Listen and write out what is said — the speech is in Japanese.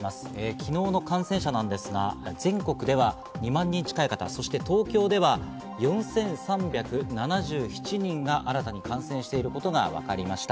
昨日の感染者ですが、全国では２万人近い方、そして東京では４３７７人が新たに感染していることがわかりました。